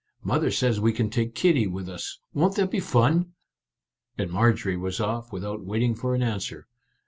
Mother says we can take Kitty with us; won't that be fun ?" And Marjorie was off without waiting for an answer.